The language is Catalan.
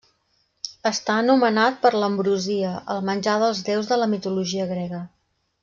Està anomenat per l'ambrosia, el menjar dels déus de la mitologia grega.